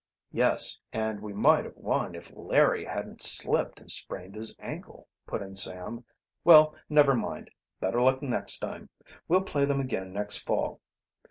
"Yes, and we might have won if Larry hadn't slipped and sprained his ankle," put in Sam. "Well, never mind; better luck next time. We'll play them again next fall."